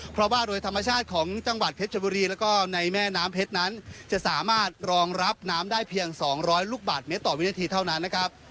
เพราะว่าโดยธรรมชาติของจังหวัดเพชรบุรีแล้วก็ในแม่น้ำเพชรนั้นจะสามารถรองรับน้ำได้เพียง๒๐๐ลูกบาทเมตรต่อวินาทีเท่านั้นนะครับ